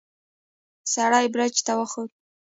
سړی برج ته وخوت.